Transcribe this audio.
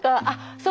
そう。